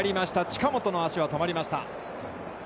近本の足は止まりました。